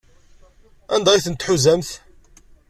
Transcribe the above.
Anda ay ten-tḥuzamt?